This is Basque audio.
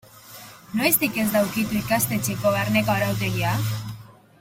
Noiztik ez da ukitu ikastetxeko barneko arautegia?